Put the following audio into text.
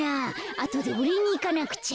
あとでおれいにいかなくちゃ。